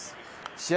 試合